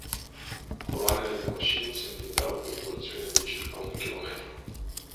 Coloanele de mașini se întindeau pe o porțiune de circa un kilometru.